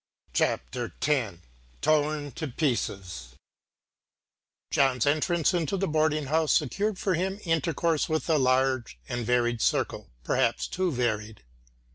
CHAPTER X TORN TO PIECES John's entrance into the boarding house secured for him intercourse with a large and varied circle, perhaps too varied.